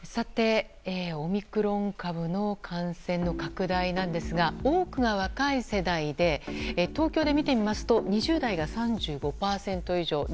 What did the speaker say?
オミクロン株の感染の拡大ですが多くが若い世代で東京で見てみますと２０代が３５％以上。